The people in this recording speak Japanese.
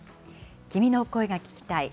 君の声が聴きたい。